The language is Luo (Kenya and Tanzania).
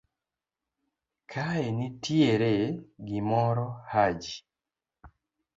kaenitie gimoro Haji